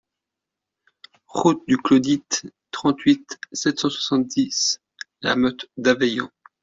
Route du Clodit, trente-huit, sept cent soixante-dix La Motte-d'Aveillans